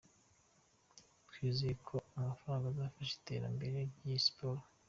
Twizeye ko ayamafaranga azafasha itera mbere ry'iyi siporo.